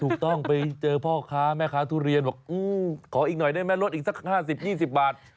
ไปเจอพ่อค้าแม่ค้าทุเรียนบอกขออีกหน่อยได้ไหมลดอีกสัก๕๐๒๐บาท